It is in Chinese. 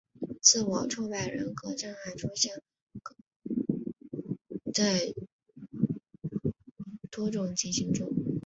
自我挫败人格障碍可出现在多种情形中。